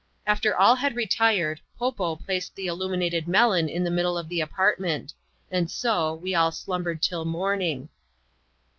After fill had retired, Po Po placed the illuminated melon in ike middle of the apartment ; and so, we all slumbered till morning.